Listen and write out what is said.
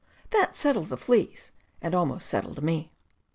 That settled the fleas, and almost settled me.